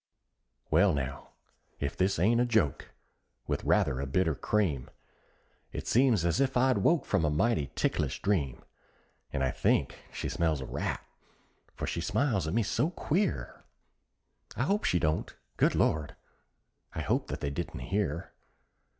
JOHN: (aside) Well, now, if this ain't a joke, with rather a bitter cream! It seems as if I'd woke from a mighty ticklish dream; And I think she "smells a rat," for she smiles at me so queer; I hope she don't; good Lord! I hope that they didn't hear!